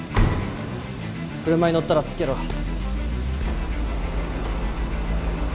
車に乗ったらつけろ。